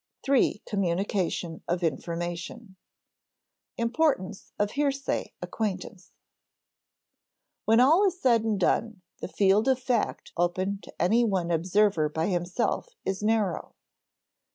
§ 3. Communication of Information [Sidenote: Importance of hearsay acquaintance] When all is said and done the field of fact open to any one observer by himself is narrow.